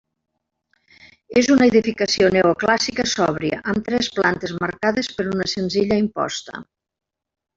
És una edificació neoclàssica sòbria, amb tres plantes marcades per una senzilla imposta.